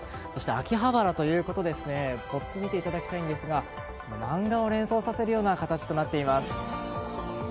秋葉原ということでポップを見ていただきたいのですが漫画を連想させるような形となっています。